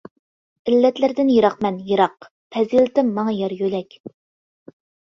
ئىللەتلەردىن يىراقمەن يىراق، پەزىلىتىم ماڭا يار يۆلەك.